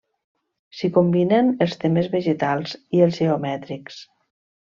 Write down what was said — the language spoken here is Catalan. S'hi combinen els temes vegetals i els geomètrics.